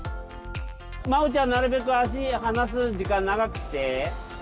まおちゃんなるべく足離す時間長くして。